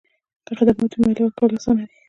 که خدمات وي، مالیه ورکول اسانه دي؟